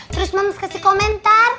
terus mams kasih komentar